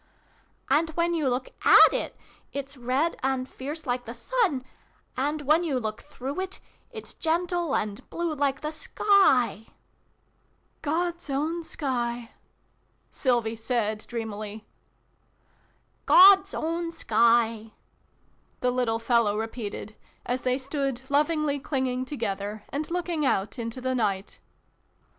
" And, when you look at it, it's red and fierce like the sun and, when you look through it, it's gentle and blue like the sky !"" God's own sky," Sylvie said, dreamily. "God's own sky," the little fellow repeated, as they stood, lovingly clinging together, and looking out into the night.